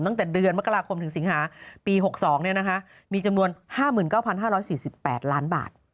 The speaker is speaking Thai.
ตั้งแต่เดือนมกราคมถึงสิงหาปี๖๒มีจำนวน๕๙๕๔๘ล้านบาท